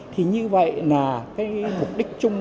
thì như vậy là cái mục đích chung